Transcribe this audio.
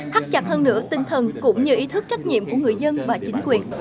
thắt chặt hơn nữa tinh thần cũng như ý thức trách nhiệm của người dân và chính quyền